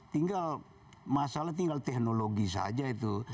tinggal masalah tinggal teknologi saja itu